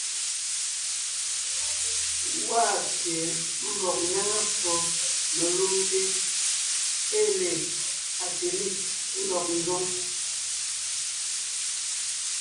Gwaa pye ḿvɔg ńnéŋe ffo melumte ée le Agtelig ńdɔg ńzoŋ.